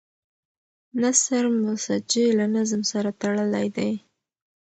نثر مسجع له نظم سره تړلی دی.